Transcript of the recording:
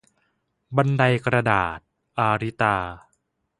บันไดกระดาษ - อาริตา